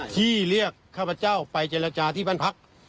ที่เรียกข้าพเจ้าไปเจรจาที่บ้านพัก